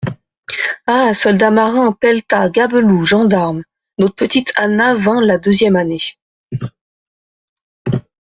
«Ah ! soldats-marins ! peltas ! gabeloux ! gendarmes !» Notre petite Anna vint la deuxième année.